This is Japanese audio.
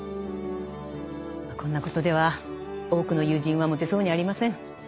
こんなことでは多くの友人は持てそうにありません。